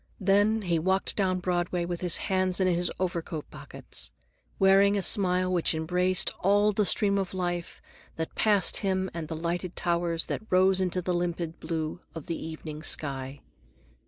Then he walked down Broadway with his hands in his overcoat pockets, wearing a smile which embraced all the stream of life that passed him and the lighted towers that rose into the limpid blue of the evening sky.